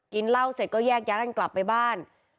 กินเหล้าเสร็จก็แยกยังกลับไปบ้าน